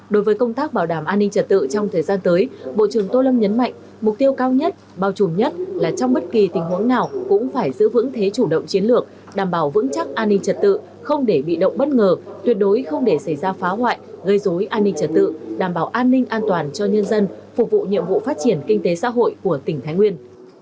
đối với công tác bảo đảm an ninh trật tự trong thời gian tới bộ trưởng tô lâm nhấn mạnh mục tiêu cao nhất bao trùm nhất là trong bất kỳ tình huống nào cũng phải giữ vững thế chủ động chiến lược đảm bảo vững chắc an ninh trật tự không để bị động bất ngờ tuyệt đối không để xảy ra phá hoại gây dối an ninh trật tự đảm bảo an ninh an toàn cho nhân dân phục vụ nhiệm vụ phát triển kinh tế xã hội của tỉnh thái nguyên